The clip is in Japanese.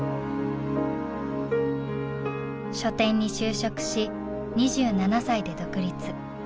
書店に就職し２７歳で独立。